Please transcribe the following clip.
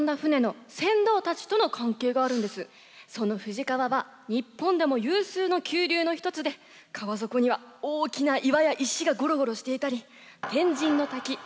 その富士川は日本でも有数の急流の一つで川底には大きな岩や石がごろごろしていたり天神の滝。